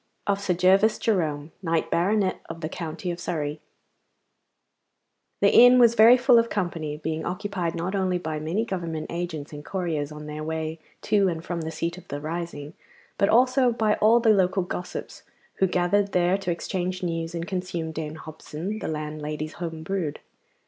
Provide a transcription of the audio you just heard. Of Sir Gervas Jerome, Knight Banneret of the County of Surrey The inn was very full of company, being occupied not only by many Government agents and couriers on their way to and from the seat of the rising, but also by all the local gossips, who gathered there to exchange news and consume Dame Hobson the landlady's home brewed.